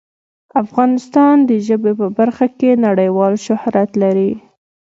افغانستان د ژبې په برخه کې نړیوال شهرت لري.